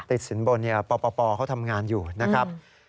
ติดสินบนเนี่ยป่อเขาทำงานอยู่นะครับ